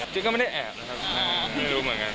จริงก็ไม่ได้แอบนะครับไม่รู้เหมือนกัน